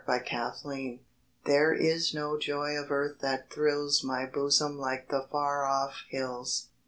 THE HILLS There is no joy of earth that thrills My bosom like the far off hills!